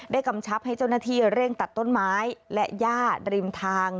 กำชับให้เจ้าหน้าที่เร่งตัดต้นไม้และย่าริมทาง